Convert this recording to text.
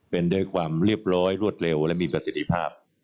เป็นด้วยความเรียบร้อยรวดเร็วและมีประสิทธิภาพ